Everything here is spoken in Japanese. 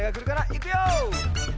いくよ！